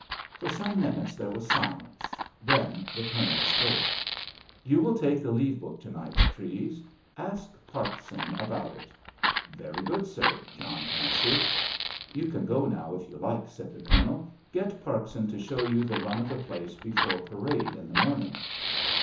For some minutes there was silence, then the Colonel spoke. "You will take the leave book to night, Treves. Ask Parkson about it." "Very good, sir," John answered. "You can go now, if you like," said the Colonel. "Get Parkson to show you the run of the place before parade in the morning."